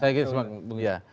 saya kira semua